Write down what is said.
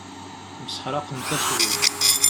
Mseḥṛaqen taswin.